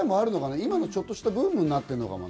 今のちょっとしたブームになってるのかな？